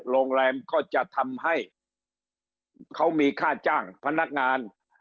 โรงแรมก็จะทำให้เขามีค่าจ้างพนักงาน